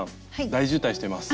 大渋滞してます。